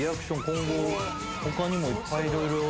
今後他にもいっぱい色々。